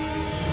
oke sampai jumpa